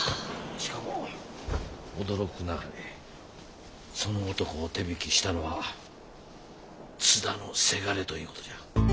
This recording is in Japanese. しかも驚くなかれその男を手引きしたのは津田の伜ということじゃ。